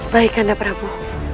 baik kanda prabu